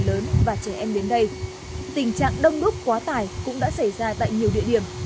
lớn và trẻ em đến đây tình trạng đông đúc quá tải cũng đã xảy ra tại nhiều địa điểm